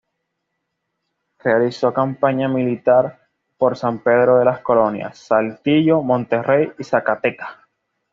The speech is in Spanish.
Realizó campaña militar por San Pedro de las Colonias, Saltillo, Monterrey y Zacatecas.